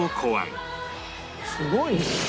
すごいね。